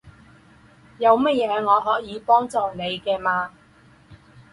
有什么我可以帮助你的吗？